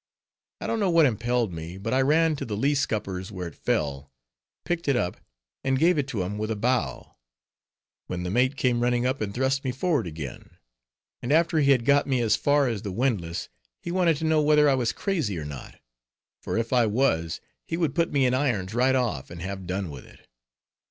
I don't know what impelled me, but I ran to the lee scuppers where it fell, picked it up, and gave it to him with a bow; when the mate came running up, and thrust me forward again; and after he had got me as far as the windlass, he wanted to know whether I was crazy or not; for if I was, he would put me in irons right off, and have done with it.